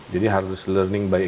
jadi harus belajar dari pengalaman